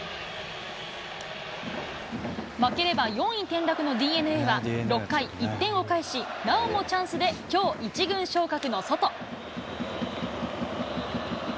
負ければ４位転落のＤｅＮＡは６回、１点を返し、なおもチャンスで、きょう、１軍昇格のソト。